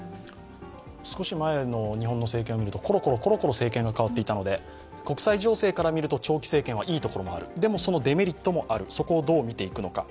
少し前の日本の政権を見るとコロコロ政権が変わっていたので国際情勢から見ると長期政権はいいところもあるでもそのデメリットもある、そこをどう見ていくのか。